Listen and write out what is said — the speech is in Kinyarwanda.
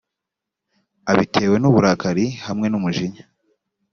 abitewe n’uburakari hamwe n’umujinya.»